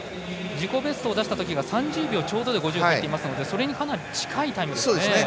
自己ベストを出したときが３０秒ちょうどで５０でしたのでそれにかなり近いタイムですね。